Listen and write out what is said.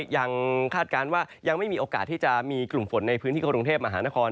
คาดการณ์ว่ายังไม่มีโอกาสที่จะมีกลุ่มฝนในพื้นที่กรุงเทพมหานคร